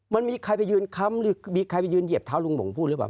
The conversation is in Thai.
มันมีใครไปยืนค้ำหรือมีใครไปยืนเหยียบเท้าลุงหลงพูดหรือเปล่า